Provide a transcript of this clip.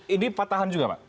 ini patahan juga pak